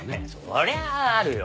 そりゃあるよ。